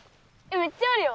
めっちゃあるよ。